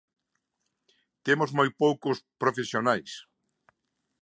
Temos moi poucos profesionais.